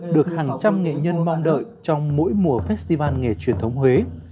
được hàng trăm nghệ nhân mong đợi trong mỗi mùa festival nghề truyền thống huế